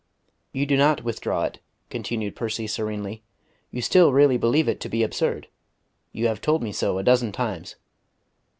"You do not withdraw it," continued Percy serenely; "you still really believe it to be absurd: you have told me so a dozen times.